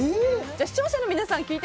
視聴者の皆さん